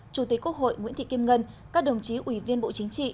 chủ tịch quốc hội nguyễn thị kim ngân các đồng chí ủy viên bộ chính trị